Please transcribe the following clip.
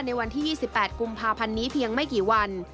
ในวันที่๒๘กุมภาพันธ์นี้เพียงไม่กี่วัน